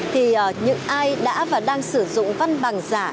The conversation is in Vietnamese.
thì những ai đã và đang sử dụng văn bằng giả